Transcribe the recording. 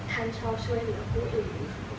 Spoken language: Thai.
ท่านชอบช่วยหนึ่งคนอื่น